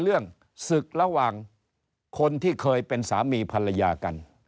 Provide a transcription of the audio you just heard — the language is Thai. เรื่องศึกระหว่างคนที่เคยเป็นสามีภรรยากัน